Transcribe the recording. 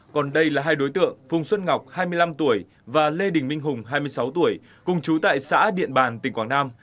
còn đây là hai đối tượng phùng xuân ngọc hai mươi năm tuổi và lê đình minh hùng hai mươi sáu tuổi cùng chú tại xã điện bàn tỉnh quảng nam